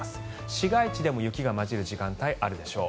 市街地でも雪が交じる時間帯あるでしょう。